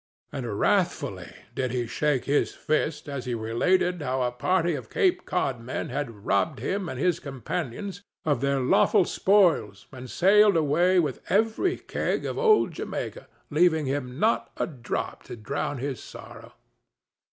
And wrathfully did he shake his fist as he related how a party of Cape Cod men had robbed him and his companions of their lawful spoils and sailed away with every keg of old Jamaica, leaving him not a drop to drown his sorrow.